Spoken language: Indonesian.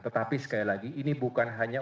tetapi sekali lagi ini bukan hanya